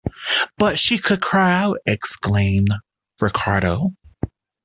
"But she could cry out," exclaimed Ricardo.